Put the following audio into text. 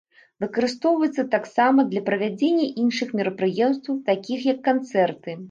Выкарыстоўваецца таксама для правядзення іншых мерапрыемстваў, такіх як канцэрты.